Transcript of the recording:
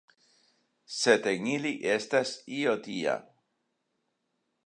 Sed en ili estas io tia!